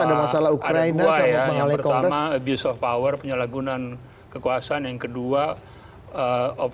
ada masalah ukraina pertama abuser power penyalahgunan kekuasaan yang kedua of